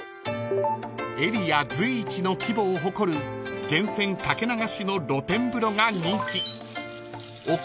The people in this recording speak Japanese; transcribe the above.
［エリア随一の規模を誇る源泉掛け流しの露天風呂が人気奥